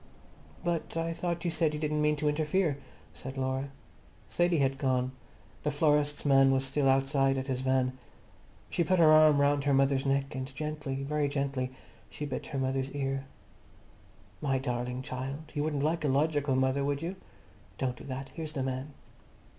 "But I thought you said you didn't mean to interfere," said Laura. Sadie had gone. The florist's man was still outside at his van. She put her arm round her mother's neck and gently, very gently, she bit her mother's ear. "My darling child, you wouldn't like a logical mother, would you? Don't do that. Here's the man."